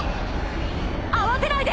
慌てないで！